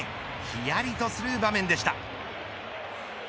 ひやりとする場面でした。